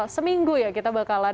seminggu ya kita bakalan